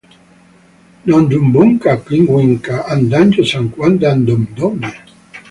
Ndoukundaa kujiw'ika andanyo sakwamba ndoune.